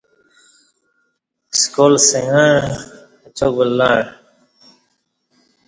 سکال سنگع اچاک ولّݩع